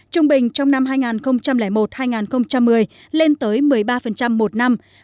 trung bình trong năm hai nghìn một hai nghìn một mươi lên tới một mươi ba một năm